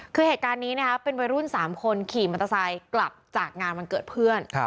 คือเหตุการณ์นี้นะครับเป็นวัยรุ่น๓คนขี่มอเตอร์ไซค์กลับจากงานวันเกิดเพื่อน